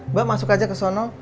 mbak masuk aja ke sana